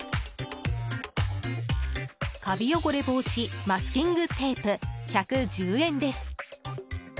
カビ汚れ防止マスキングテープ１１０円です。